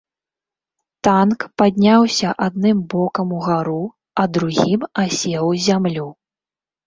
Танк падняўся адным бокам угару, а другім асеў у зямлю.